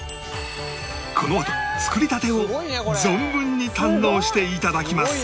このあと作りたてを存分に堪能して頂きます！